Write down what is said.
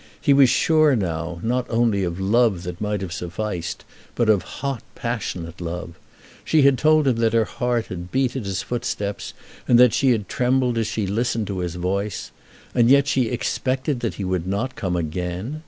He was sure now, not only of love that might have sufficed, but of hot, passionate love. She had told him that her heart had beat at his footsteps, and that she had trembled as she listened to his voice; and yet she expected that he would not come again!